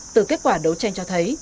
từ kết quả đấu tranh cho thấy